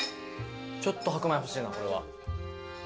ちょっと白米欲しいなこれは。